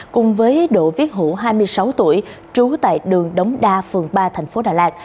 cùng với đỗ viết hữu hai mươi sáu tuổi trú tại đường đống đa phường ba tp đà lạt